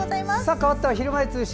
かわっては、「ひるまえ通信」。